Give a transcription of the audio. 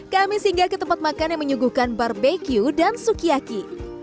kami singgah ke tempat makan yang menyuguhkan barbeque dan sukiyaki